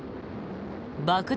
爆弾